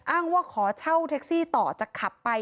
ว่าขอเช่าแท็กซี่ต่อจะขับไป